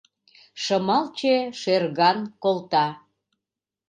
Шымалче шӧрган колта.